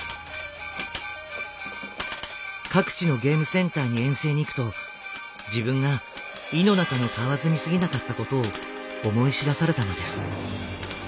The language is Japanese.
各地のゲームセンターに遠征に行くと自分が井の中のかわずにすぎなかったことを思い知らされたのです。